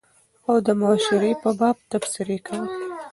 او دمشاعرې په باب تبصرې کول